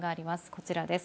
こちらです。